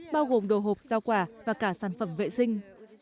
bao gồm đồ hộp rau quả và cả sản phẩm vệ sinh